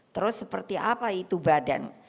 terus seperti apa itu badan